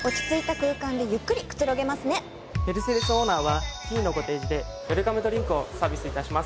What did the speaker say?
メルセデスオーナーはキーのご提示でウェルカムドリンクをサービス致します。